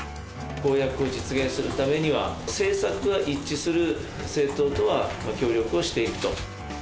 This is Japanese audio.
公約を実現するためには、政策が一致する政党とは協力をしていくと。